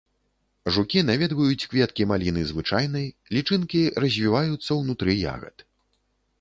Жукі наведваюць кветкі маліны звычайнай, лічынкі развіваюцца ўнутры ягад.